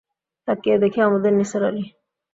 তাকিয়ে দেখি আমাদের নিসার আলি।